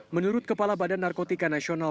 menurut kepala badan narkotika nasional